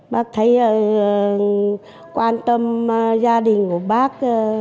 bác thấy quan tâm gia đình của bác